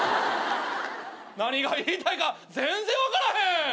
何が言いたいか全然分からへん！